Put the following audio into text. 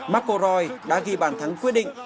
marco roy đã ghi bàn thắng quyết định